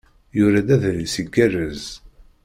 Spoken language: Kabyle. Yura-d adlis igerrez.